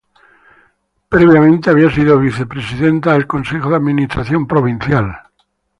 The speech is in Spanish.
Previamente había sido vicepresidenta del Consejo de la Administración Provincial.